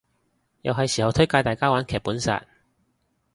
又係時候推介大家玩劇本殺